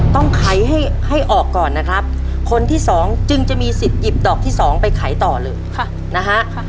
ไขให้ให้ออกก่อนนะครับคนที่สองจึงจะมีสิทธิ์หยิบดอกที่สองไปขายต่อเลยนะฮะ